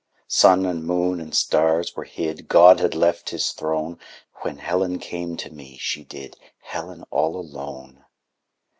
Sun and moon and stars were hid, God had left His Throne, When Helen came to me, she did, Helen all alone!